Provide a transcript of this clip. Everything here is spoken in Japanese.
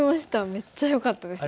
めっちゃよかったですよね。